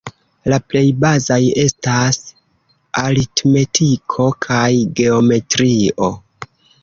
La plej bazaj estas aritmetiko kaj geometrio.